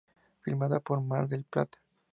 Filmada en Mar del Plata.